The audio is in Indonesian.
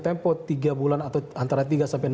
tempo tiga bulan atau antara tiga sampai enam